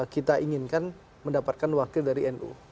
kita inginkan mendapatkan wakil dari nu